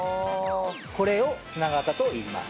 これを砂型といいます。